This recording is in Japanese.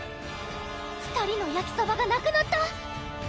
２人のやきそばがなくなった！